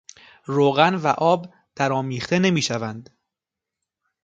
روغن و آب درآمیخته نمیشود.